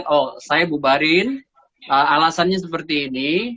oh saya bubarin alasannya seperti ini